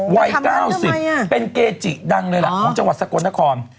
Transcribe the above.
วัย๙๐เป็นเกจิดังเลยล่ะของจังหวัดสกลนคร